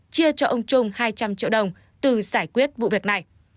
chia cho ông trung hai trăm linh triệu đồng từ giải quyết vụ việc này